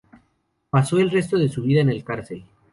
Pasó el resto de su vida en el cárcel.